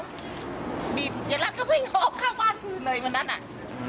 เขากินรถออกจากบ้าน